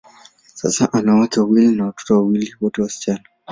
Sasa, ana wake wawili na watoto wawili, wote wasichana.